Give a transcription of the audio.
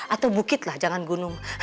atau bukit lah jangan gunung